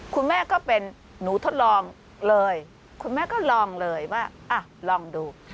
คุณแม่ก็เป็นหนูทดลองเลยคุณแม่ก็ลองเลยว่าลองดู